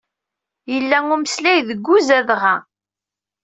Yella umsalay deg uzadaɣ-a?